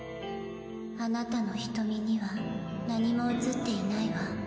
あなたの瞳には何も映っていないわ。